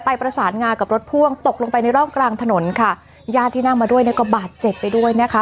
ประสานงากับรถพ่วงตกลงไปในร่องกลางถนนค่ะญาติที่นั่งมาด้วยเนี่ยก็บาดเจ็บไปด้วยนะคะ